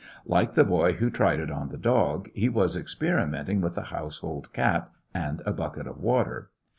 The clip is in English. Like the boy who tried it on the dog, he was experimenting with the household cat and a bucket of water.